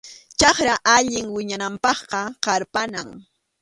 Chakra allin wiñananpaqqa qarpanam.